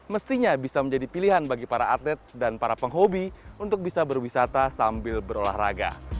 mestinya bisa menjadi pilihan bagi para atlet dan para penghobi untuk bisa berwisata sambil berolahraga